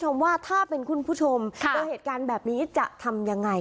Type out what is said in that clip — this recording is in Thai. ว่าถ้าเป็นคุณผู้ชมเจอเหตุการณ์แบบนี้จะทำยังไง